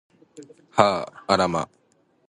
はあら、ま